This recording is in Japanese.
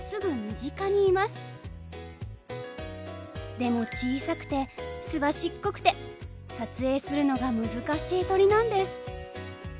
でも小さくてすばしっこくて撮影するのが難しい鳥なんです。